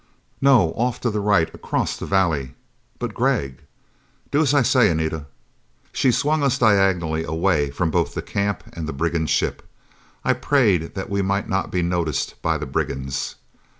"No! Off to the right, across the valley." "But Gregg!" "Do as I say, Anita." She swung us diagonally away from both the camp and the brigand ship. I prayed that we might not be noticed by the brigands.